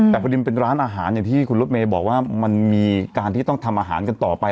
แต่พอดีมันเป็นร้านอาหารอย่างที่คุณรถเมย์บอกว่ามันมีการที่ต้องทำอาหารกันต่อไป